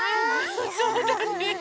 そうだね！